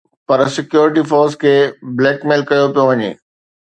پر security force کي blackmail ڪيو پيو وڃي